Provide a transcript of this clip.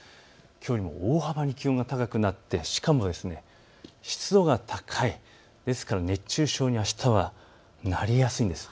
きょうよりも大幅に気温が高くなって、しかも湿度が高い、ですから熱中症にはあしたはなりやすいんです。